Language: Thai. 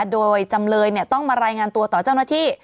โดยจำเลยต้องมารายงานตัวต่อเจ้าหน้าที่